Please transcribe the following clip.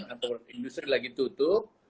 atau industri lagi tutup